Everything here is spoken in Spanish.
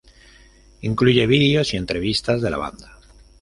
Incluye videos y entrevistas de la banda.